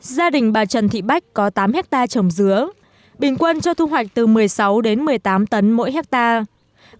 gia đình bà trần thị bách có tám hectare trồng dứa bình quân cho thu hoạch từ một mươi sáu đến một mươi tám tấn mỗi hectare